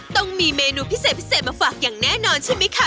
ต้องมีเมนูพิเศษพิเศษมาฝากอย่างแน่นอนใช่ไหมคะ